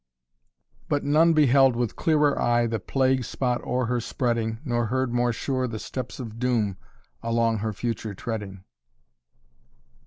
"But none beheld with clearer eye The plague spot o'er her spreading, Nor heard more sure the steps of doom Along her future treading."